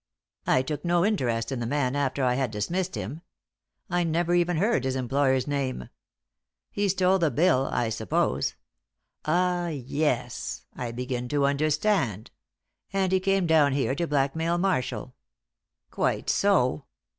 "I took no interest in the man after I had dismissed him. I never even heard his employer's name. He stole the bill, I suppose ah, yes, I begin to understand and he came down here to blackmail Marshall. Quite so.